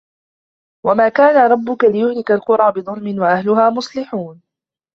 وَمَا كَانَ رَبُّكَ لِيُهْلِكَ الْقُرَى بِظُلْمٍ وَأَهْلُهَا مُصْلِحُونَ